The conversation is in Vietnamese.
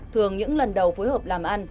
thường những lần đầu phối hợp làm ăn